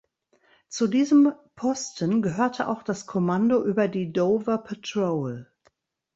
Zu diesem Posten gehörte auch das Kommando über die Dover Patrol.